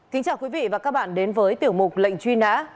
kính chào quý vị và các bạn đến với tiểu mục lệnh truy nã